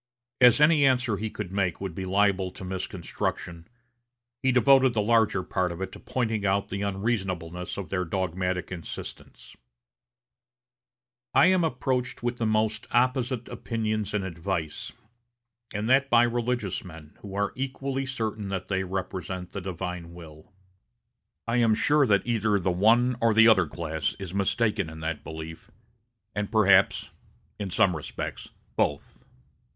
As any answer he could make would be liable to misconstruction, he devoted the larger part of it to pointing out the unreasonableness of their dogmatic insistence: "I am approached with the most opposite opinions and advice, and that by religious men, who are equally certain that they represent the divine will. I am sure that either the one or the other class is mistaken in that belief, and perhaps, in some respects, both.